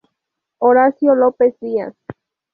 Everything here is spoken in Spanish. Horacio López Díaz.